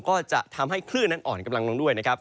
ก็จะทำให้คลื่นนั้นอ่อนกำลังลงด้วยนะครับ